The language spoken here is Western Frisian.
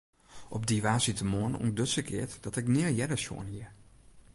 Op dy woansdeitemoarn ûntduts ik eat dat ik nea earder sjoen hie.